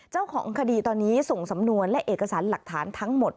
เจ้าของคดีตอนนี้ส่งสำนวนและเอกสารหลักฐานทั้งหมด